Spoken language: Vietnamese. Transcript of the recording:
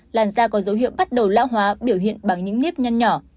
làn da có dấu hiệu bắt đầu lão hóa biểu hiện bằng những nếp nhăn nhỏ